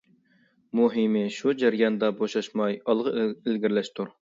مۇھىمى شۇ جەرياندا بوشاشماي ئالغا ئىلگىرىلەشتۇر.